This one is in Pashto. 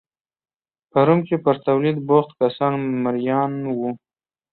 په روم کې پر تولید بوخت کسان مریان وو